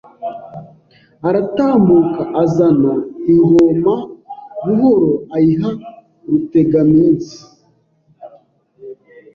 aratambuka azana ingoma buhoro ayiha Rutegaminsi